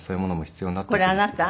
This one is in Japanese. これあなた？